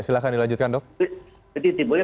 silahkan dilanjutkan dok jadi timbulnya